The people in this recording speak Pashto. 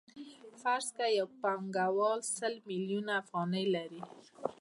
فرض کړئ یو پانګوال سل میلیونه افغانۍ لري